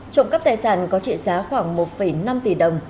trộm cắp tài sản có trị giá khoảng một năm tỷ đồng